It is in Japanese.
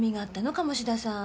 鴨志田さん。